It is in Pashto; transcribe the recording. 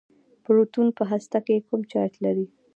پروټون په هسته کې کوم چارچ لري.